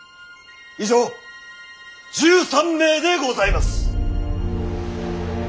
以上１３名でございます。